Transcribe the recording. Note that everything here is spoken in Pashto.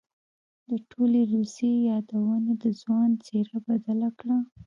د ټولې روسيې يادونې د ځوان څېره بدله کړه.